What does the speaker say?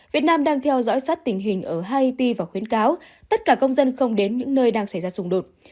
việt nam đang theo dõi sát tình hình ở haihity và khuyến cáo tất cả công dân không đến những nơi đang xảy ra xung đột